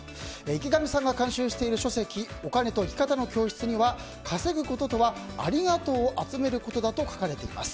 池上さんが監修している書籍「お金と生き方の教室」には稼ぐこととはありがとうを集めることだと書かれています。